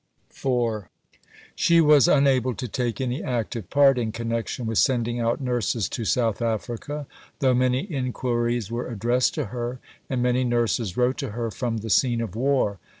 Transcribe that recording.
IV She was unable to take any active part in connection with sending out nurses to South Africa; though many inquiries were addressed to her, and many nurses wrote to her from the scene of war.